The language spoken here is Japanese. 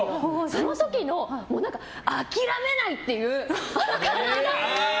その時の、諦めない！っていう感じが。